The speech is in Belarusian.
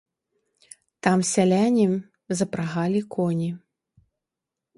Там сяляне запрагалі коні.